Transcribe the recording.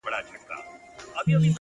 قسم کومه په اودس راپسې وبه ژاړې”